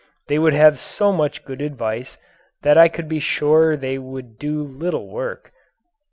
They would have so much good advice that I could be sure they would do little work.